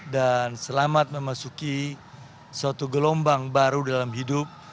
dan selamat memasuki suatu gelombang baru dalam hidup